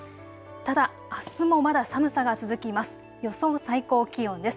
ただ、あすもまだ寒さが続きます。